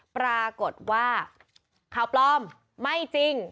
ปรากฏว่าข่าวปลอมไม่จริง